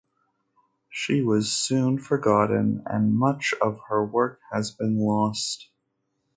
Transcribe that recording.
She was soon forgotten and much of her work has been lost.